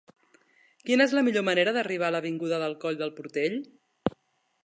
Quina és la millor manera d'arribar a l'avinguda del Coll del Portell?